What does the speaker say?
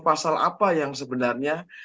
pasal apa yang sebenarnya